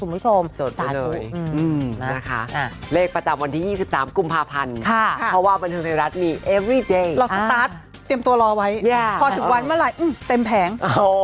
พอสุดวันเมื่อไหร่เต็มแผง